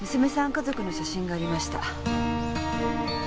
家族の写真がありました。